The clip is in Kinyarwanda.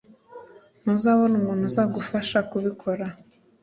Ntuzabona umuntu uzagufasha kubikora.